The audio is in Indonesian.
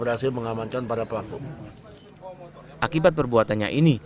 akibat perbuatannya ini